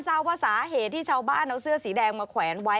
ทราบว่าสาเหตุที่ชาวบ้านเอาเสื้อสีแดงมาแขวนไว้